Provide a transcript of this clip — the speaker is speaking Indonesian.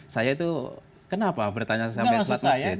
saya itu kenapa bertanya sampai selalu di masjid